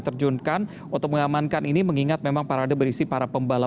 kemudian melakukan ruang pelanggan kembali